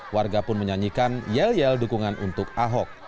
warga pun menyanyikan yel yel dukungan untuk ahok